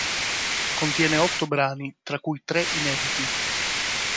Contiene otto brani, tra cui tre inediti.